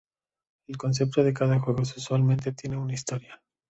El concepto de cada juego usualmente tiene una historia.